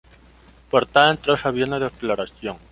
Portaban tres aviones de exploración.